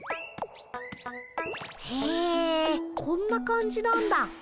へえこんな感じなんだ。